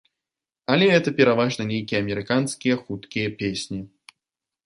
Але гэта пераважна нейкія амерыканскія хуткія песні.